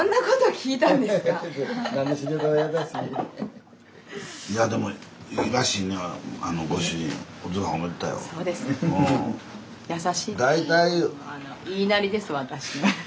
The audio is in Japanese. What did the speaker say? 言いなりです私の。